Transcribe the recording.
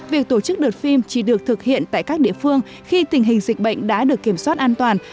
việc tổ chức đợt phim chỉ được thực hiện tại các địa phương khi tình hình dịch bệnh đã được kiểm soát an toàn